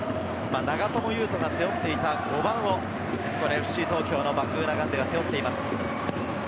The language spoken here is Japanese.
長友佑都が背負っていた５番をＦＣ東京のバングーナガンデが背負っています。